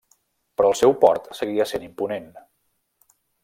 Però el seu port seguia sent imponent.